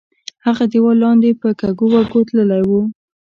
هغه دیوال لاندې په کږو وږو تللی وو.